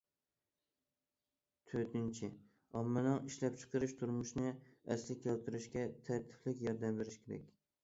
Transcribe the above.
تۆتىنچى، ئاممىنىڭ ئىشلەپچىقىرىش، تۇرمۇشىنى ئەسلىگە كەلتۈرۈشىگە تەرتىپلىك ياردەم بېرىش كېرەك.